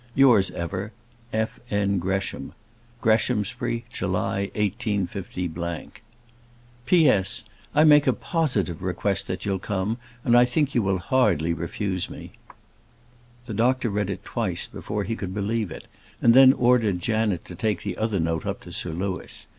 Yours ever, F. N. GRESHAM. Greshamsbury, July, 185 . P.S. I make a positive request that you'll come, and I think you will hardly refuse me. The doctor read it twice before he could believe it, and then ordered Janet to take the other note up to Sir Louis.